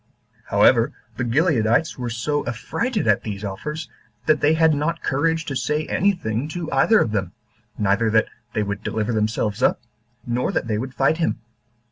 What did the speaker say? However, the Gileadites were so affrighted at these offers, that they had not courage to say any thing to either of them, neither that they would deliver themselves up, nor that they would fight him.